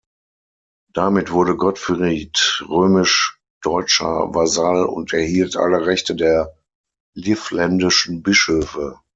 Damit wurde Gottfried römisch-deutscher Vasall und erhielt alle Rechte der livländischen Bischöfe.